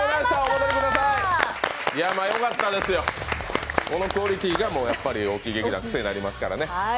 よかったですよ、このクオリティーが大木劇団、癖になりますからね。